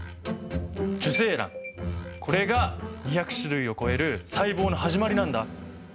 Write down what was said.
これが２００種類を超える細胞の始まりなんだ。